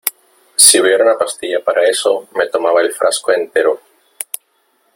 si hubiera una pastilla para eso , me tomaba el frasco entero .